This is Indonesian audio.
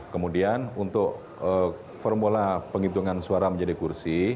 kemudian untuk formula penghitungan suara menjadi kursi